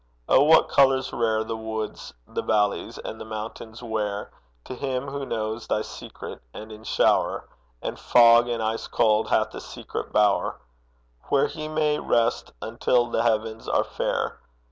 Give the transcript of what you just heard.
Oh, what colours rare The woods, the valleys, and the mountains wear To him who knows thy secret, and in shower And fog, and ice cloud, hath a secret bower Where he may rest until the heavens are fair!